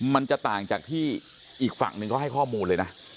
มันจะต่างจากที่อีกฝั่งหนึ่งเขาให้ข้อมูลเลยนะ